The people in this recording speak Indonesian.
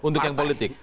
untuk yang politik